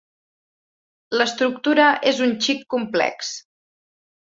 L'estructura és un xic complex.